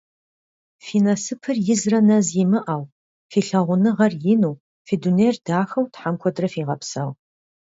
Фи насыпыр изрэ нэз имыӏэу, фи лъагъуныгъэр ину, фи дунейр дахэу Тхьэм куэдрэ фигъэпсэу!